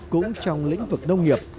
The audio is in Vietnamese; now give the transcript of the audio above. cũng trong lĩnh vực nông nghiệp